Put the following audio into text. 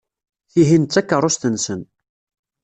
Tihin d takeṛṛust-nsen.